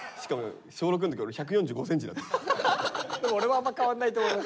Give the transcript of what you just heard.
でも俺もあんま変わんないと思います